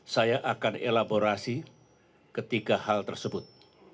saya akan elaborasi ketiga hal tersebut